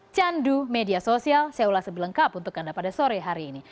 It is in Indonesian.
candu media sosial saya ulas sebelengkap untuk anda pada sore hari ini